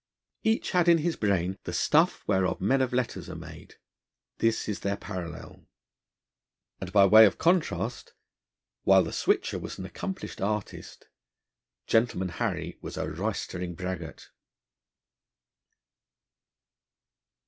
Each had in his brain the stuff whereof men of letters are made: this is their parallel. And, by way of contrast, while the Switcher was an accomplished artist, Gentleman Harry was a roystering braggart.